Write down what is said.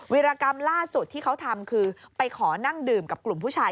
วิรกรรมล่าสุดที่เขาทำคือไปขอนั่งดื่มกับกลุ่มผู้ชาย